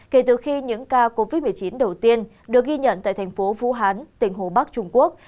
kể từ khi những ca covid một mươi chín đầu tiên được ghi nhận tại thành phố vũ hán tỉnh hồ bắc trung quốc